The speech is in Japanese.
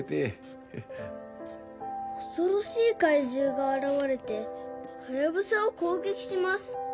「恐ろしい怪獣が現れてハヤブサを攻撃します」